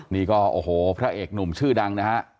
นี่ก็โอ้โหพระเอกหนุ่มชื่อดังนะฮะ